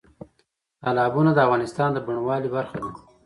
تالابونه د افغانستان د بڼوالۍ برخه ده.